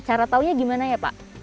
cara tahunya gimana ya pak